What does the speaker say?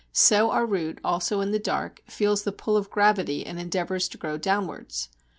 So our root, also in the dark, feels the pull of gravity and endeavours to grow downwards.